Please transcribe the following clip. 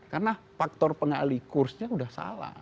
karena faktor pengali kursnya udah salah